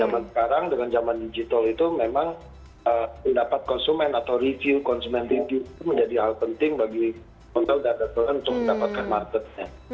zaman sekarang dengan zaman digital itu memang pendapat konsumen atau review konsumen tinju itu menjadi hal penting bagi hotel dan restoran untuk mendapatkan marketnya